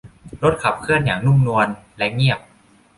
รถขับเคลื่อนอย่างนุ่มนวล และเงียบ